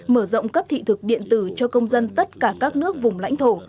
mở rộng cấp thị thực điện tử cho công dân tất cả các nước vùng lãnh thổ